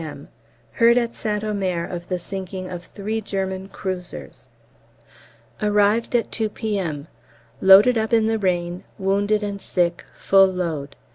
M. Heard at St Omer of the sinking of the three German cruisers. Arrived at 2 P.M. Loaded up in the rain, wounded and sick full load.